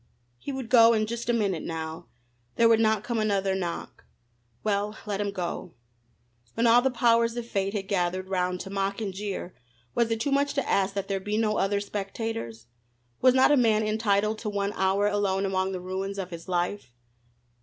He would go in just a minute now. There would not come another knock. Well, let him go. When all the powers of fate had gathered round to mock and jeer was it too much to ask that there be no other spectators? Was not a man entitled to one hour alone among the ruins of his life?